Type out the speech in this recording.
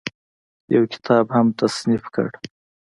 يو کتاب هم تصنيف کړو